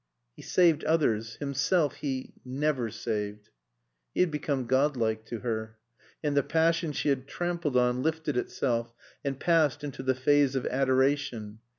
"He saved others. Himself he" never saved. He had become god like to her. And the passion she had trampled on lifted itself and passed into the phase of adoration.